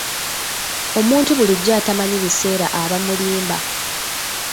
Omuntu bulijjo atamanyi biseera aba mulimba.